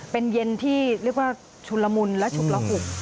เป็นเย็นที่เรียกว่าชุนละมุนและฉุกละอุ